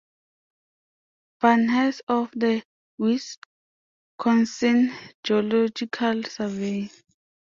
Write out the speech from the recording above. Van Hise of the Wisconsin Geological Survey.